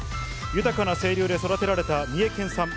豊かな清流で育てられた三重県産